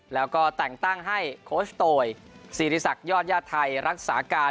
แล้วก็แต่งตั้งให้โคชโตยศิริษักยอดญาติไทยรักษาการ